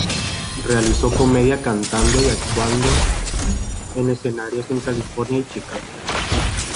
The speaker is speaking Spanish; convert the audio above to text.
Realizó comedia, cantando y actuando en escenarios en California y Chicago.